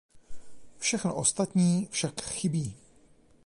Všechno ostatní však chybí.